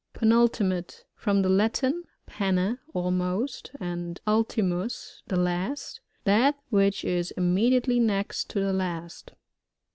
Penultimate. — From the Latin, ;»e}}«, almost, and ultimus^ the last. That which is immediately next to the last.